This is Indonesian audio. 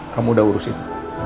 kamu udah urusin